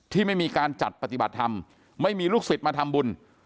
ที่ไม่มีการจัดปฏิบัติธรรมไม่มีลูกศิษย์มาทำบุญ